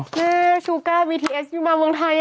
เฮ่ยชูก้าบีทีเอสมาเมืองไทย